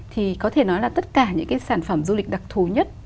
thì có thể nói là tất cả những cái sản phẩm du lịch đặc thù nhất